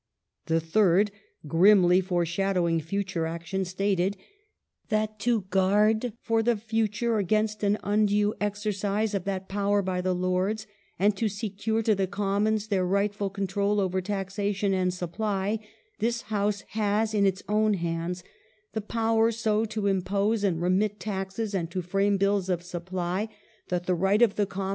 The third, grimly foreshadowing future action, stated " that to guard for the future against an undue exercise of that power by the Lords, and to secure to the Commons their rightful control over taxation and sup])ly, this House has, in its own hands, the power so to impose and remit taxes, and to frame Bills of Supply that the right of the Commons ^ Martin, Prince Consort, v.